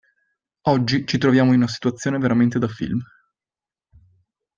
Oggi ci troviamo in una situazione veramente da film.